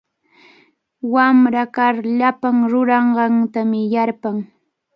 Wamra kar llapan ruranqantami yarpan.